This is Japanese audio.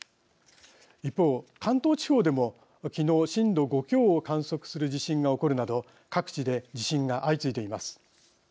一方、関東地方でも昨日、震度５強を観測する地震が起こるなど各地で地震が相次いでいます。